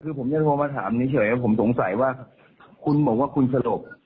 คือผมจะโทรมาถามเฉยผมสงสัยว่าคุณบอกว่าคุณสลบ